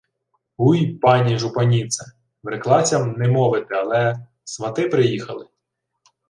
— Уй, пані жупаніце... Вреклася-м не мовити, але... Свати приїхали.